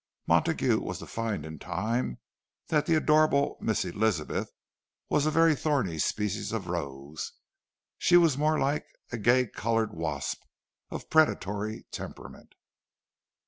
Montague was to find in time that the adorable Miss Elizabeth was a very thorny species of rose—she was more like a gay coloured wasp, of predatory temperament.